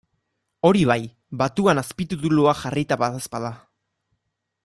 Hori bai, batuan azpitituluak jarrita badaezpada.